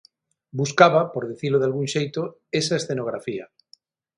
Buscaba, por dicilo dalgún xeito, esa escenografía.